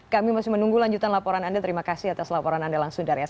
kami masih menunggu lanjutan laporan anda terima kasih atas laporan anda langsung dari ya